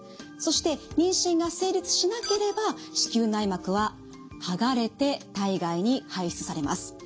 そして妊娠が成立しなければ子宮内膜は剥がれて体外に排出されます。